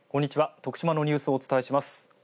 徳島のニュースをお伝えします。